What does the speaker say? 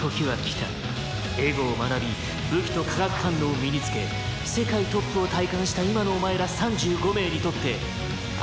「エゴを学び武器と化学反応を身につけ世界トップを体感した今のお前ら３５名にとってＵ−２０